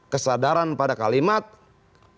kesadaran pada kalimatnya